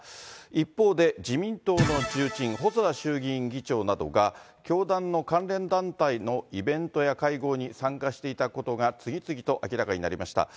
一方で、自民党の重鎮、細田衆議院議長などが、教団の関連団体のイベントや会合に参加していたことが次々と明らかになりました。